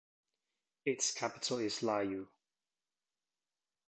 Its capital is Layou.